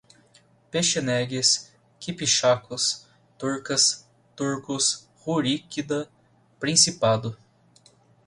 Pechenegues, quipchacos, turcas, turcos, ruríquida, Principado